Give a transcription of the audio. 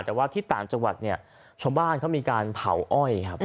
แต่ว่าที่ต่างจังหวัดชมบ้านเขามีการเผาอ้อย